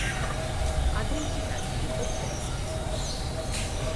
ადრე მდიდარი იყო თევზით.